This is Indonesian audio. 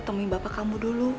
temui bapak kamu dulu